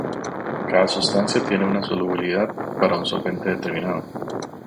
Cada sustancia tiene una solubilidad para un solvente determinado.